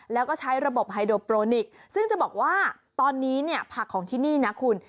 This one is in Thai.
แล้วก็ใช้ระบบไฮโดโปรนิกซึ่งจะบอกว่าตอนนี้เนี่ยผักของที่นี่นะคุณ